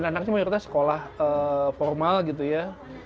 ya anak anaknya sekolah formal gitu ya